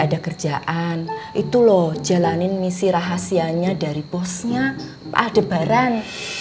ada kerjaan itu loh jalanin misi rahasianya dari posnya ah debaran